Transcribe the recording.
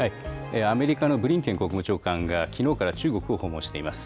アメリカのブリンケン国務長官が、きのうから中国を訪問しています。